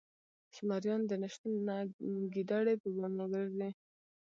ـ زمريانو د نشتون نه ګيدړې په بامو ګرځي